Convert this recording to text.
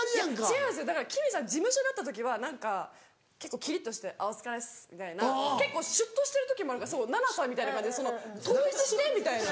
違うんですだからＫＩＭＩさん事務所で会った時は何か結構キリっとして「お疲れっす」みたいな結構シュッとしてる時もあるから奈々さんみたいな感じで統一して！みたいな。